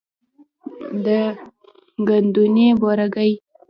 د ګندنې بورګی،